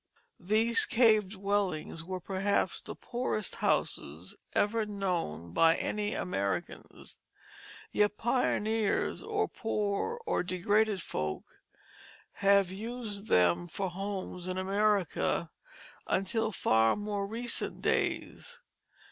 These cave dwellings were perhaps the poorest houses ever known by any Americans, yet pioneers, or poor, or degraded folk have used them for homes in America until far more recent days.